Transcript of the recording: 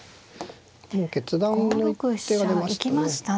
もう決断の一手が出ましたね。